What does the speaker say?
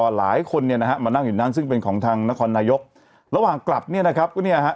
หลายคนเนี่ยนะฮะมานั่งอยู่นั่นซึ่งเป็นของทางนครนายกระหว่างกลับเนี่ยนะครับก็เนี่ยฮะ